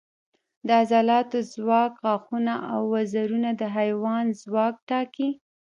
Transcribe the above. د عضلاتو ځواک، غاښونه او وزرونه د حیوان ځواک ټاکي.